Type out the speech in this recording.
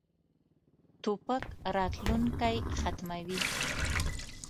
توپک راتلونکی ختموي.